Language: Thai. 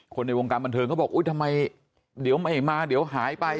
ในวงการบันเทิงเขาบอกอุ๊ยทำไมเดี๋ยวไม่มาเดี๋ยวหายไป